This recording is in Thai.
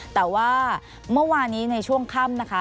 แต่ว่าเมื่อวานี้ในช่วงค่ำนะคะ